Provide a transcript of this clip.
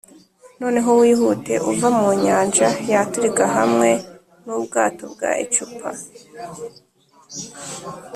noneho wihute uva mu nyanja yaturika hamwe n'ubwato bwa icupa